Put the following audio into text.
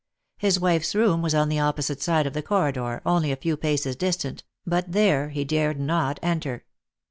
His wife's room was on the opposite side of the corridor, only a few paces distant, but there he dared not enter.